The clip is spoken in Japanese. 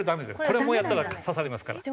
これやったら刺されますから。